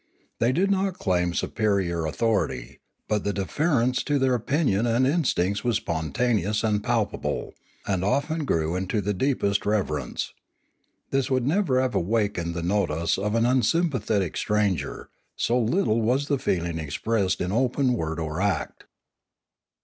They did not claim su perior authority, but the deference to their opinion and instincts was spontaneous and palpable, and often grew into the deepest reverence. This would never have awakened the notice of an unsympathetic stranger, so little was the feeling expressed in open word or act.